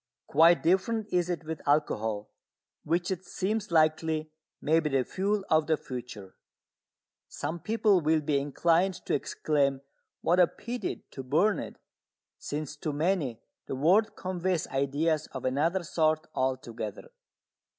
Quite different is it with alcohol, which it seems likely may be the fuel of the future. Some people will be inclined to exclaim "What a pity to burn it!" since to many the word conveys ideas of another sort altogether.